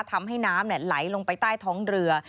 ทำให้น้ำไหลลงไปใต้ท้องเรือ